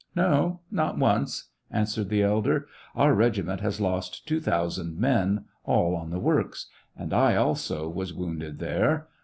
" No, not once," answered the elder. " Our regiment has lost two thousand men, all on the works ; and I, also, was wounded there.